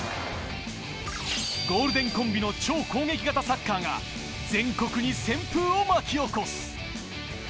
ゴールデンコンビの超攻撃型サッカーが全国に旋風を巻き起こす。